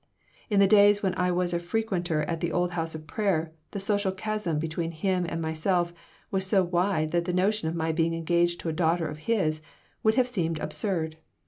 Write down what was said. In the days when I was a frequenter at the old house of prayer the social chasm between him and myself was so wide that the notion of my being engaged to a daughter of his would have seemed absurd.